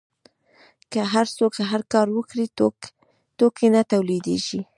که هر څوک هر کار وکړي توکي نه تولیدیږي.